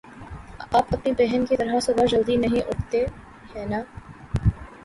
آپ اپنی بہن کی طرح صبح جلدی نہیں اٹھتے، ہے نا؟